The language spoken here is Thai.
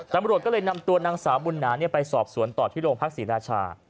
ตำรวจก็เลยนำตัวนางสาวบุญหนาไปสอบสวนต่อที่โรงพักศรีราชา